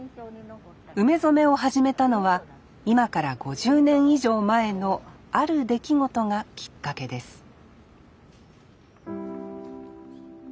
梅染めを始めたのは今から５０年以上前のある出来事がきっかけです